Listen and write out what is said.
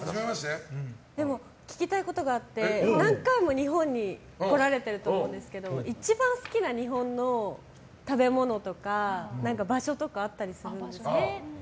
聞きたいことがあって何回も日本に来られてると思うんですけど一番、好きな日本の食べ物とか場所とかあったりするんですか？